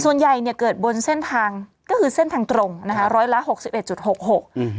ส่วนใหญ่เนี้ยเกิดบนเส้นทางก็คือเส้นทางตรงนะคะร้อยละหกสิบเอ็ดจุดหกหกอืม